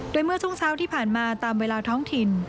โดยเมื่อช่วงเช้าที่ผ่านมาตามเวลาท้องถิ่น